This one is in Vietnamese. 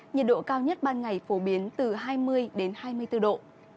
nhiệt độ cao nhất ban ngày phổ biến từ hai mươi hai mươi bốn độ